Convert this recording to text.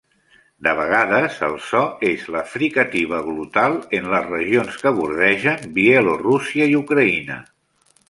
De vegades, el so és la fricativa glotal en les regions que bordegen Bielorússia i Ucraïna.